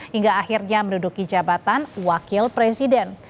hingga akhirnya menduduki jabatan wakil presiden